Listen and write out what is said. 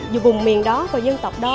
về vùng miền đó và dân tộc đó